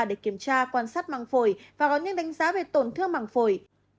để kiểm tra quan sát măng phổi và có những đánh giá về tổn thương măng phổi